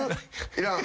「いらん」